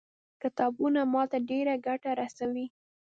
کتابونه ما ته ډېره ګټه رسوي.